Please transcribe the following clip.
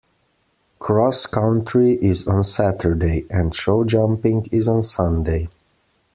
Cross-country is on Saturday, and show-jumping is on Sunday.